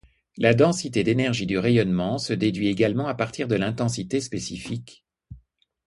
La densité d'énergie du rayonnement se déduit également à partir de l'intensité spécifique.